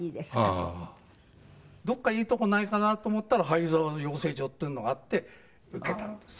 「どこかいいとこないかな？と思ったら俳優座の養成所っていうのがあって受けたんです」